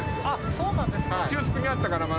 あっそうなんですか？